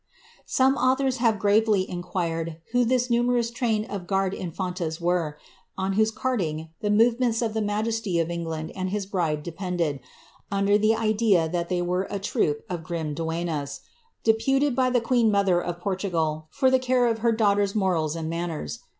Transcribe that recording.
'*] Some authors have gravely inquired who this numerous train of puxrde infanias were, on whose carting the movements of the majesty of England and his bride depended, under the idea that they were a troop of grim duennas, deputed by the queen mother of Portugal for the care of her daughter's morals and manners.